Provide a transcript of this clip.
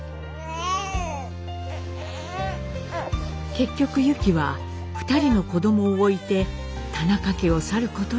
結局ユキは２人の子どもを置いて田中家を去ることになったのです。